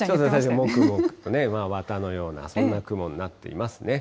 もくもくと綿のような、そんな雲になっていますね。